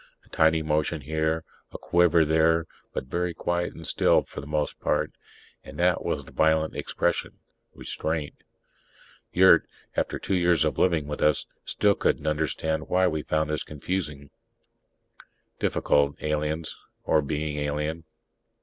A tiny motion here, a quiver there, but very quiet and still for the most part. And that was the violent expression: restraint. Yurt, after two years of living with us, still couldn't understand why we found this confusing. Difficult, aliens or being alien.